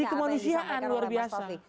itu manusiaan luar biasa